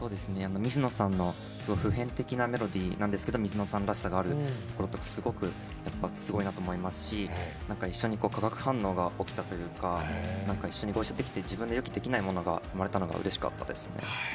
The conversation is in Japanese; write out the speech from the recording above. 水野さんの普遍的なメロディーなんですけど水野さんらしさがあるところとかすごいなと思いますし一緒に化学反応が起きたというか一緒にできて自分の予期できないものが生まれたのがうれしいですね。